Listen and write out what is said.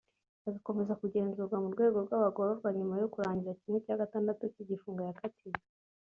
agakomeza kugenzurwa n’ urwego rw’ abagororwa nyuma yo kurangiza kimwe cya gatandatu cy’ igifungo yakatiwe